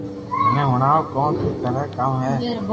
مني ھڻاو ڪو تو ڪري ڪاو ھي